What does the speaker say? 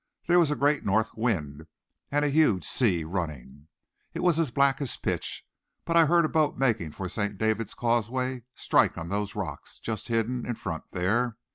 There was a great north wind and a huge sea running. It was as black as pitch, but I heard a boat making for St. David's causeway strike on those rocks just hidden in front there.